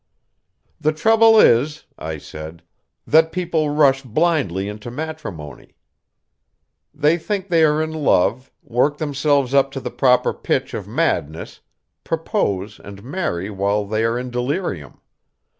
"The trouble is," I said, "that people rush blindly into matrimony. They think they are in love, work themselves up to the proper pitch of madness, propose and marry while they are in delirium.